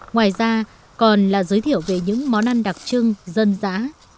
ngoài ra còn là giới thiệu về những món ăn đặc trưng dân dã